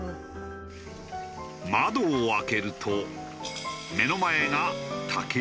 窓を開けると目の前が竹やぶ。